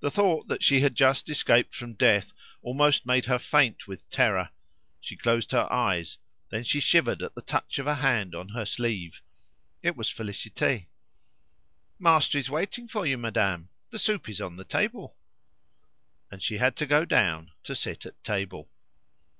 The thought that she had just escaped from death almost made her faint with terror. She closed her eyes; then she shivered at the touch of a hand on her sleeve; it was Félicité. "Master is waiting for you, madame; the soup is on the table." And she had to go down to sit at table.